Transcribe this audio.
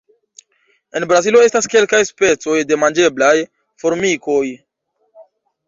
En Brazilo estas kelkaj specoj de manĝeblaj formikoj.